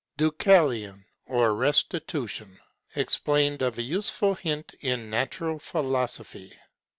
—DEUCALION, OR RESTITUTION. EXPLAINED OF A USEFUL HINT IN NATURAL PHILOSOPHY.